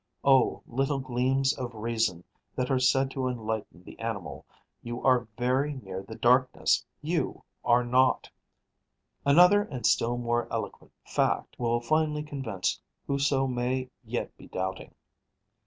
O little gleams of reason that are said to enlighten the animal, you are very near the darkness, you are naught! Another and still more eloquent fact will finally convince whoso may yet be doubting.